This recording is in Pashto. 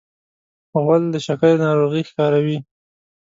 غول د شکر ناروغي ښکاروي.